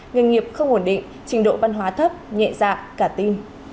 nghề nghiệp không ổn định trình độ văn hóa thấp nhẹ dạ cả tin